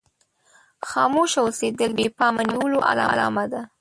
خاموشه اوسېدل د بې پامه نيولو علامه ده.